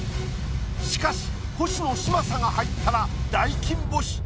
しかし星野嶋佐が入ったら大金星。